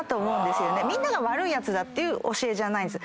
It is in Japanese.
みんなが悪いやつだっていう教えじゃないんです。